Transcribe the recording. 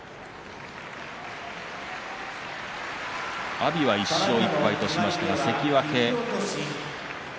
阿炎は１勝１敗としました。